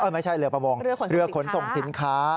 ไม่ใช่เรือประมงเรือขนส่งสินค้า